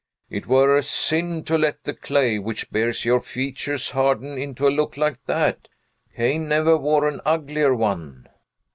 "It were a sin to let the clay which bears your features harden into a look like that. Cain never wore an uglier one."